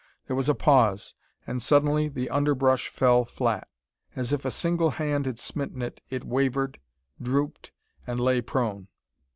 There was a pause; and suddenly the underbrush fell flat. As if a single hand had smitten it, it wavered, drooped, and lay prone.